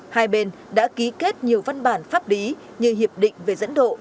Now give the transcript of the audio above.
hai bên đã ký kết nhiều văn bản pháp lý như hiệp định về dẫn độ